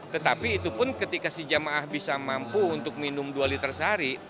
tetapi itu pun ketika si jamaah bisa mampu untuk minum dua liter sehari